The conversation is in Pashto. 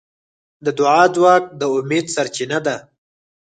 د دعا ځواک د امید سرچینه ده.